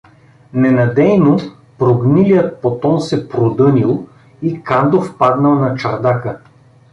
Ненадейно прогнилият потон се продънил и Кандов паднал на чардака.